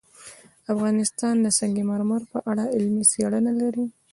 افغانستان د سنگ مرمر په اړه علمي څېړنې لري.